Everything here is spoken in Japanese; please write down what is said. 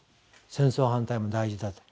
戦争反対も大事だと。